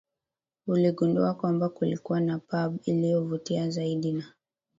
uligundua kwamba kilikuwa na pub iliyovutia zaidi na